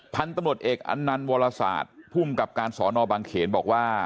พันธุ์ตำรวจเอกอันนันต์วรศาสตร์ภูมิกับการสอนอบางเขนบอกว่า